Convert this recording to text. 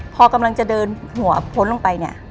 พอกำลังจะเดินหัวพ้นลงไปเนี่ย